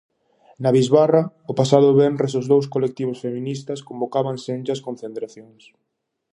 Na bisbarra, o pasado venres os dous colectivos feministas convocaban senllas concentracións.